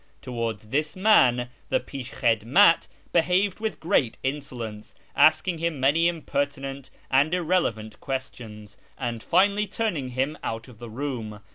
Towards this man the pishkhidmat behaved with great insolence, asking him many impertinent and irrele vant questions, and finally turning him out of the room.